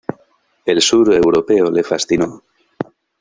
El sur europeo le fascinó.